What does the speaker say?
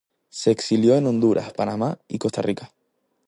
Se exilió en Honduras, Panamá y Costa Rica.